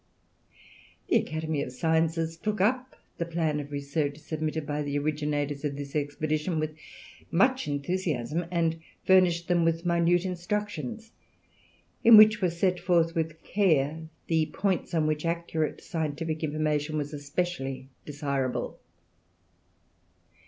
The Academy of Sciences took up the plan of research submitted by the originators of this expedition with much enthusiasm, and furnished them with minute instructions, in which were set forth with care the points on which accurate scientific information was especially desirable.